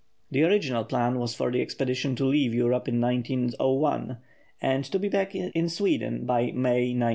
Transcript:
The original plan was for the expedition to leave Europe in 1901, and to be back in Sweden by May 1903.